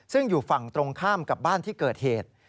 ซึ่งอยู่ฝั่งตรงข้ามกับบ้านที่เกิดเหตุ